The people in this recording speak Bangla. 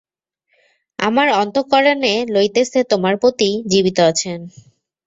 আমার অন্তঃকরণে লইতেছে তোমার পতি জীবিত আছেন।